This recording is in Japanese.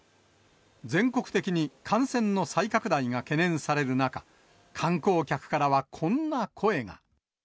全国的に感染の再拡大が懸念される中、観光客からはこんな声が。